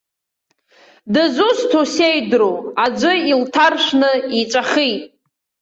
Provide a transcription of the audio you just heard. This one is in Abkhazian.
Дызусҭоу сеидру, аӡәы илҭаршәны иҵәахит.